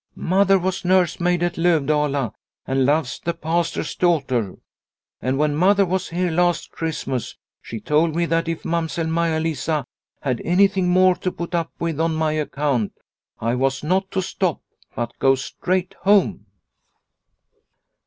" Mother was nursemaid at Lovdala and loves the Pastor's daughter. And when mother was here last Christmas she told me that if Mamsell Maia Lisa had anything more to put up with on my account, I was not to stop, but go straight home."